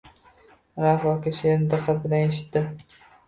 Rauf aka she’rni diqqat bilan eshitdi.